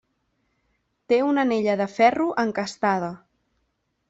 Té una anella de ferro encastada.